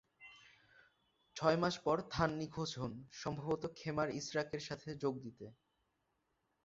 ছয় মাস পর থান নিখোঁজ হন, সম্ভবত খেমার ইসরাকের সাথে যোগ দিতে।